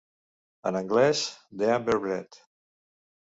En anglès, The Amber Bead.